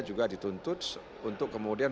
juga dituntut untuk kemudian